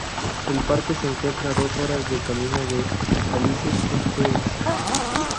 El parque se encuentra a dos horas de camino de Alice Springs.